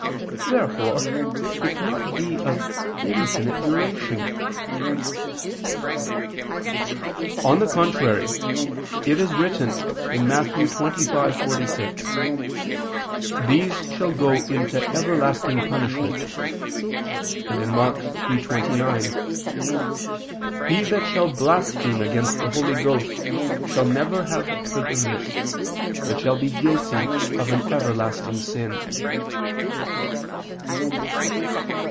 Therefore it cannot be of infinite duration. On the contrary, It is written (Matt. 25:46): "These shall go into everlasting punishment"; and (Mk. 3:29): "He that shall blaspheme against the Holy Ghost, shall never have forgiveness, but shall be guilty of an everlasting sin."